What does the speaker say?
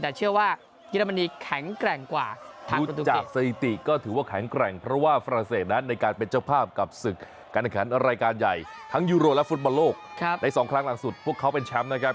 แต่เชื่อว่าเยอรมนีแข็งแกร่งกว่าดูจากสถิติก็ถือว่าแข็งแกร่งเพราะว่าฝรั่งเศสนั้นในการเป็นเจ้าภาพกับศึกการแข่งขันรายการใหญ่ทั้งยูโรและฟุตบอลโลกในสองครั้งหลังสุดพวกเขาเป็นแชมป์นะครับ